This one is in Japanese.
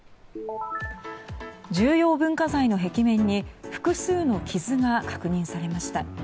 重要文化財の壁面に複数の傷が確認されました。